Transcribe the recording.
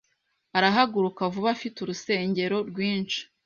Arahaguruka vuba afite urusengero rwinshi